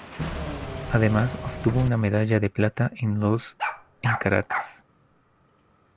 Además obtuvo una medalla de plata en los en Caracas.